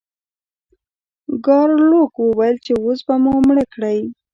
ګارلوک وویل چې اوس به مو مړه کړئ.